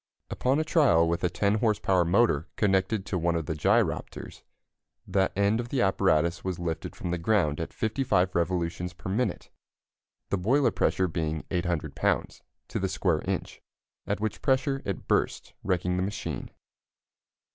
Upon a trial with a 10 horse power motor connected to one of the gyropters, that end of the apparatus was lifted from the ground at 55 revolutions per minute the boiler pressure being 800 lbs. to the square inch, at which pressure it burst, wrecking the machine.